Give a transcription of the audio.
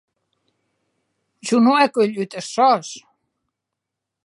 Jo non è cuelhut es sòs!